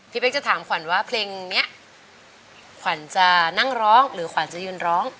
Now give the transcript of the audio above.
เป๊กจะถามขวัญว่าเพลงนี้ขวัญจะนั่งร้องหรือขวัญจะยืนร้อง